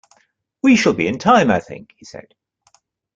"We shall be in time, I think," he said.